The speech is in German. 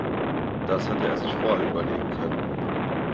Das hätte er sich vorher überlegen können.